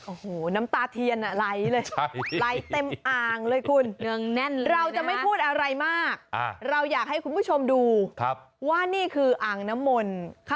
โอ้โหน้ำตาเทียนไหลเลยไหลเต็มอ่างเลยคุณเนืองแน่นเลยเราจะไม่พูดอะไรมากเราอยากให้คุณผู้ชมดูว่านี่คืออ่างน้ำมนต์